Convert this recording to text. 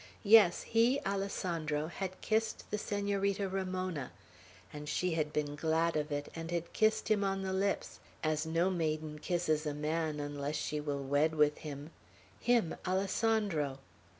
Yes, he, Alessandro, had kissed the Senorita Ramona, and she had been glad of it, and had kissed him on the lips, as no maiden kisses a man unless she will wed with him, him, Alessandro!